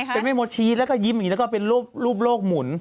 เป็นแม่โมชีสแล้วก็ยิ้มอย่างนี้แล้วก็เป็นรูปโลกหมุน